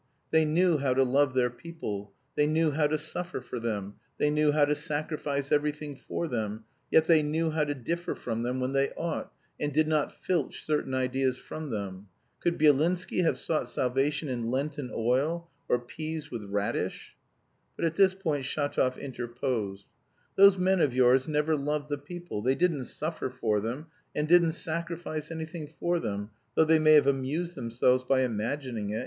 They knew how to love their people, they knew how to suffer for them, they knew how to sacrifice everything for them, yet they knew how to differ from them when they ought, and did not filch certain ideas from them. Could Byelinsky have sought salvation in Lenten oil, or peas with radish!..." But at this point Shatov interposed. "Those men of yours never loved the people, they didn't suffer for them, and didn't sacrifice anything for them, though they may have amused themselves by imagining it!"